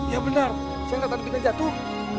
ya benar saya akan jatuh